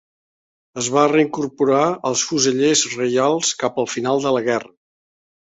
Es va reincorporar als Fusellers Reials cap al final de la guerra.